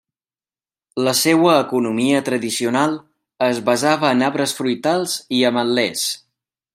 La seua economia tradicional es basava en arbres fruitals i ametlers.